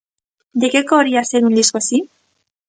De que cor ía ser un disco así?